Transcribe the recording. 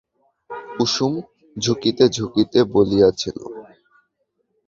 কুসুম ধুঁকিতে ধুঁকিতে বলিয়াছিল।